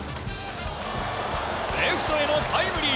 レフトへのタイムリー。